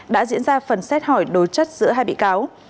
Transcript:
đã diễn ra phần xét hỏi đối chất giữa hai bị cáo